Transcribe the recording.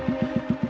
lo sudah nunggu